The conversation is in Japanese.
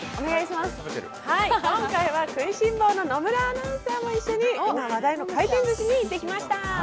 今回は食いしん坊の野村アナウンサーも一緒に今、話題の回転ずしに行ってきました。